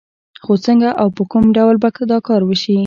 خو څنګه او په کوم ډول به دا کار وشي؟